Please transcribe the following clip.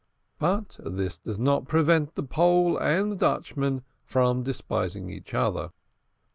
But this does not prevent the Pole and the Dutchman from despising each other.